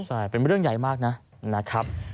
ใช่เป็นเรื่องใหญ่มากนะครับ